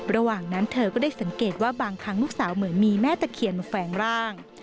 ระหว่างนั้นเธอก็ได้สังเกตว่าบางครั้งลูกสาวเหมือนมีแม่ตะเคียนมาแฝงร่าง